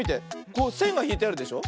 こうせんがひいてあるでしょ。